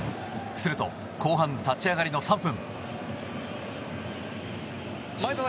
すると、後半立ち上がりの３分。